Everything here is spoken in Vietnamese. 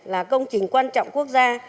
là công trình quan trọng quốc gia